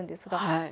はい。